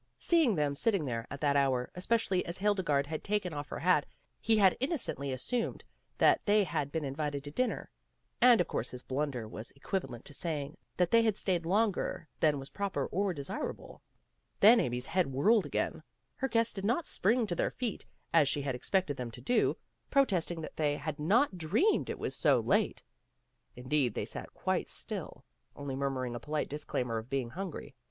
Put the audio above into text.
Seeing them sitting there at that hour, especially as Hilde garde had taken off her hat, he had innocently asumed that they had been invited to dinner. And of course his blunder was equivalent to saying that they had stayed longer than was proper or desirable. Then Amy's head whirled again. Her guests did not spring to their feet as she had ex pected them to do, protesting that they had not 12 PEGGY RAYMOND'S WAY dreamed it was so late. Instead they sat quite still, only murmuring a polite disclaimer of being hungry.